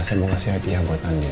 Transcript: saya mau kasih hadiah buat anda